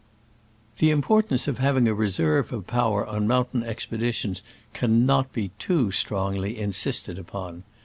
The importance of having a reserve of power on mountain expeditions can not be too strongly insisted upon.